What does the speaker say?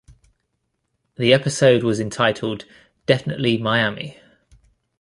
The episode was entitled, Definitely Miami.